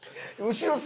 後ろ姿？